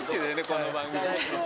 この番組。